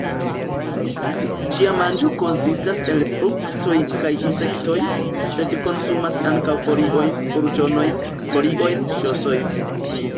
Ĝia manĝo konsistas el fruktoj kaj insektoj, sed konsumas ankaŭ foliojn, burĝonojn, foliojn, ŝosojn.